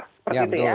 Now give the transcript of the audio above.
seperti itu ya